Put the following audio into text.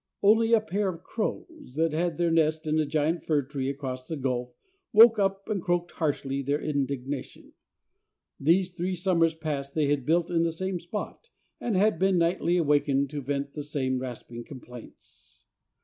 Only a pair of crows, that had their nest in a giant fir tree across the gulf, woke up and croaked harshly their indignation. These three summers past they had built in the same spot, and had been nightly awakened to vent the same rasping complaints.